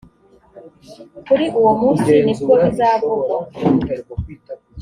kuri uwo munsi nibwo bizavugwa